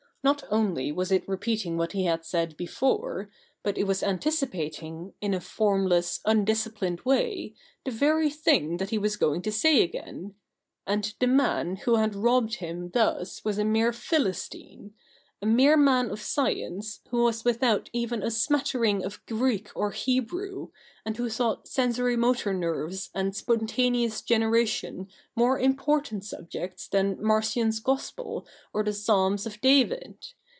Not only was it repeating what he had said before, but it was anticipating, in a formless, undisciplined way, the very thing that he was going to say again. And i6o THE NEW REPUBLIC [rk. hi the man who had robbed him thus was a mere Philistine — a mere man of science, who was without even a smattering of Greek or Hebrew, and who thought sensori motor nerves and spontaneous generation more important subjects than Marcion's Gospel or the Psalms of David.